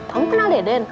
kamu kenal deden